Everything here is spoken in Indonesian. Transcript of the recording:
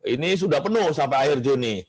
ini sudah penuh sampai akhir juni